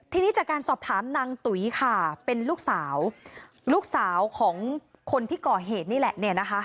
ทีนี้จากการสอบถามนางตุ๋ยค่ะเป็นลูกสาวลูกสาวของคนที่ก่อเหตุนี่แหละเนี่ยนะคะ